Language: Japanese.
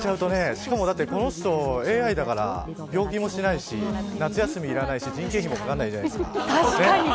しかも、この人ＡＩだから病気もしないし夏休みいらないし、人件費もかからないじゃないですか。